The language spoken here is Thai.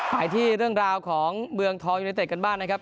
ไปที่เรื่องราวของเมืองทองยูเนเต็ดกันบ้างนะครับ